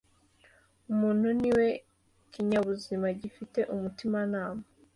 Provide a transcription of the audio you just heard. umuntu ni we kinyabuzima gifite umutimanama